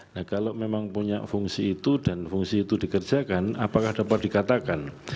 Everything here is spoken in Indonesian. nah kalau memang punya fungsi itu dan fungsi itu dikerjakan apakah dapat dikatakan